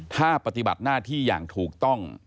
ถ้าปฏิบัติหน้าที่อย่างถูกต้อง